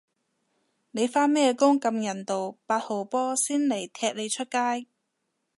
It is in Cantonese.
你返咩工咁人道，八號波先嚟踢你出街